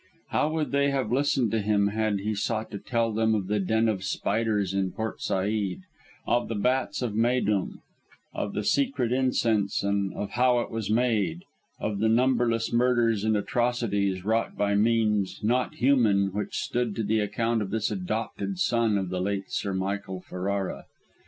How would they have listened to him had he sought to tell them of the den of spiders in Port Said; of the bats of Méydûm; of the secret incense and of how it was made; of the numberless murders and atrocities, wrought by means not human, which stood to the account of this adopted son of the late Sir Michael Ferrara?